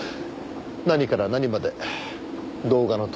何から何まで動画のとおり。